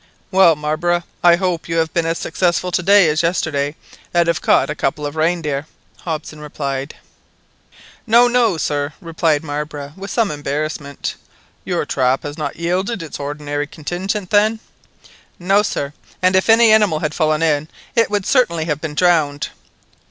"Well, Marbre, I hope you have been as successful to day as yesterday, and have caught a couple of reindeer," replied Hobson. "No, sir, no," replied Marbre, with some embarrassment. "Your trap has not yielded its ordinary contingent then?" "No, sir; and if any animal had fallen in, it would certainly have been drowned!"